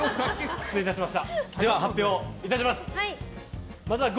失礼いたしました。